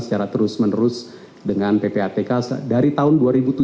secara terus menerus dengan ppatk dari tahun dua ribu tujuh belas